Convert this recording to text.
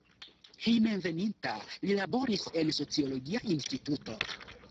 Hejmenveninta li laboris en sociologia instituto.